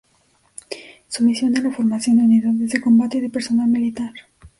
Su misión es la formación de unidades de combate y de personal militar.